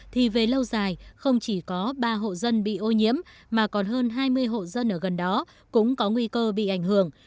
thì về lâu dài không chỉ có ba hộ dân bị ô nhiễm mà còn hơn hai mươi hộ dân ở gần đó cũng có nguy cơ bị ảnh hưởng